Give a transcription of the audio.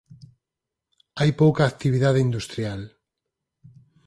Hai pouca actividade industrial.